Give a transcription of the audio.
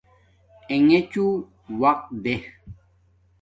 انݣچو وقت دیں